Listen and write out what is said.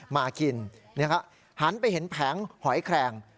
มากินหันไปเห็นแผงหอยแครง